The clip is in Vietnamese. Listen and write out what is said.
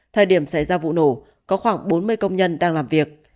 thời điểm xảy ra vụ nổ có khoảng bốn mươi công nhân đang làm việc